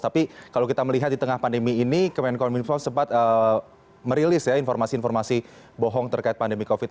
tapi kalau kita melihat di tengah pandemi ini kemenkominfo sempat merilis ya informasi informasi bohong terkait pandemi covid sembilan belas